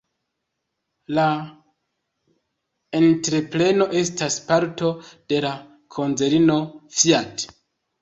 La entrepreno estas parto de la konzerno Fiat.